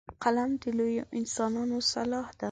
قلم د لویو انسانانو سلاح ده